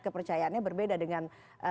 kepercayaannya berbeda dengan